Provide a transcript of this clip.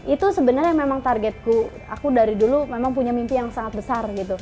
itu sebenarnya memang targetku aku dari dulu memang punya mimpi yang sangat besar gitu